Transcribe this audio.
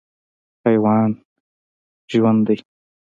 حیوان ژوند دی.